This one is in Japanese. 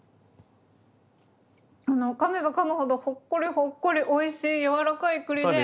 かめばかむほどほっこりほっこりおいしい柔らかい栗で。